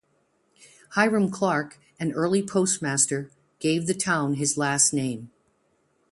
Hiram Clark, an early postmaster, gave the town his last name.